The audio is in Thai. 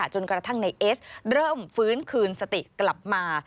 จนกระทั่งในเอสเริ่มฟื้นคืนสติกลับมา